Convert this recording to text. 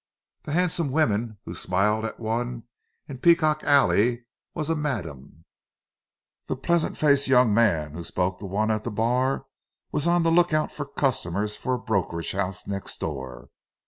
The handsome woman who smiled at one in "Peacock Alley" was a "madame"; the pleasant faced young man who spoke to one at the bar was on the look out for customers for a brokerage house next door.